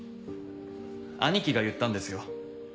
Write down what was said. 兄貴が言ったんですよ。